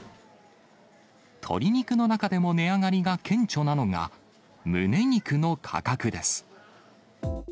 鶏肉の中でも値上がりが顕著なのが、むね肉の価格です。